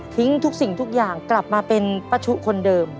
ทุกสิ่งทุกอย่างกลับมาเป็นป้าชุคนเดิม